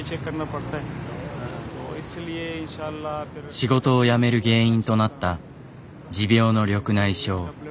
仕事を辞める原因となった持病の緑内障。